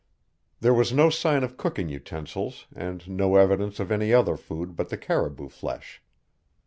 There was no sign of cooking utensils and no evidence of any other food but the caribou flesh.